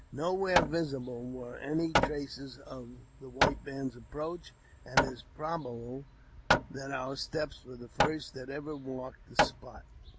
Nowhere visible were any \ traces of the white man's approach, and it is probable that our Sgteps were the first that ever marked the spot.